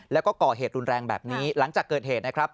แล้วก็ก่อเหตุรุนแรงแบบนี้หลังจากเกิดเหตุนะครับ